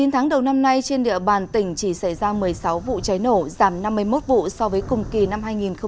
chín tháng đầu năm nay trên địa bàn tỉnh chỉ xảy ra một mươi sáu vụ cháy nổ giảm năm mươi một vụ so với cùng kỳ năm hai nghìn một mươi chín